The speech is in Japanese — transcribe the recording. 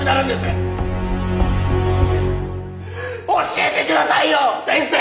教えてくださいよ先生！